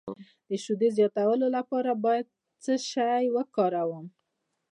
د شیدو زیاتولو لپاره باید څه شی وکاروم؟